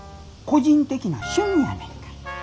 個人的な趣味やねんから。